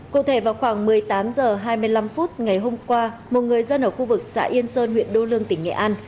cụ thể vào khoảng một mươi tám h hai mươi năm phút ngày hôm qua một người dân ở khu vực xã yên sơn huyện đô lương tỉnh nghệ an